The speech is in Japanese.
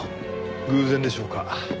偶然でしょうか？